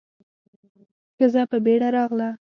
ښځه په بيړه راغله.